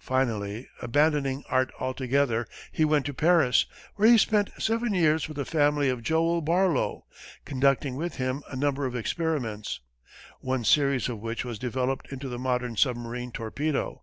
Finally abandoning art altogether, he went to Paris, where he spent seven years with the family of Joel Barlow, conducting with him a number of experiments; one series of which has developed into the modern submarine torpedo.